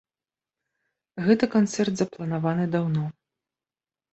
Гэты канцэрт запланаваны даўно.